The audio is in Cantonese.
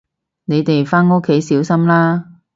你哋返屋企小心啦